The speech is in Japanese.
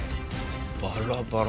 バラバラ。